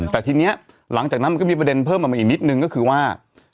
แต่ทีนี้หลังจากนั้นมันก็มีประเด็นเพิ่มออกมาอีกนิดนึงก็คือว่า